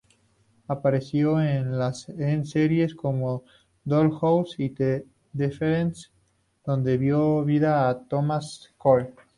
Apareció en series como "Dollhouse" y "The Defenders" donde dio vida a Thomas Cole.